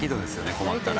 困ったら。